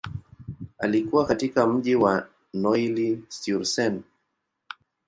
Alikua katika mji wa Neuilly-sur-Seine.